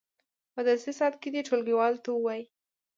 په درسي ساعت کې دې ټولګیوالو ته ووایي.